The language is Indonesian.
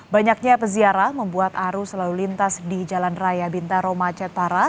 banyaknya peziarah membuat arus lalu lintas di jalan raya bintaro macet parah